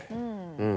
うん。